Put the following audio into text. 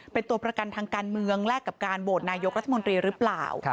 เป็นตัวประกันทางการเมืองแลกกับการโหวตนายกรัฐมนตรีหรือเปล่า